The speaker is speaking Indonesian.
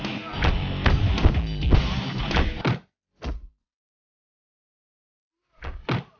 nih lo kapan dulu